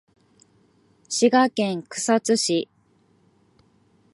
滋賀県草津市